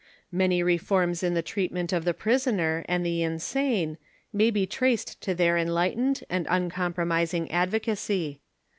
Many reforms in the treat ment of the prisoner and the insane may be traced to their enlightened and uncompromising advocacy.